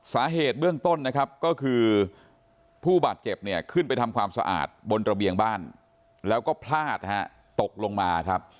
สาเหตุเบื้องต้นนะครับก็คือผู้บาดเจ็บเนี่ยขึ้นไปทำความสะอาดบนระเบียงบ้านแล้วก็พลาดนะฮะตกลงมาครับ